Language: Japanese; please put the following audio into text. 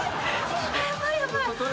ヤバいヤバい。